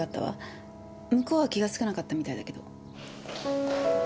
向こうは気がつかなかったみたいだけど。